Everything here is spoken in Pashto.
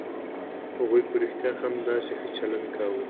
هغوی په رښتيا هم همداسې ښه چلند کاوه.